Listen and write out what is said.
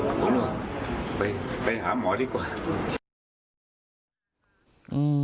ผมบอกไปหาหมอดีกว่า